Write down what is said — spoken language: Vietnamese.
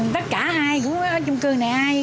tất cả ai cũng ở chung cư này